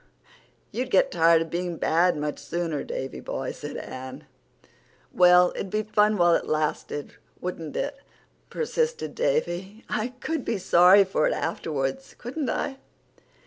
"You'd get tired of being bad much sooner, Davy boy," said Anne. "Well, it'd be fun while it lasted, wouldn't it?" persisted Davy. "I could be sorry for it afterwards, couldn't I?"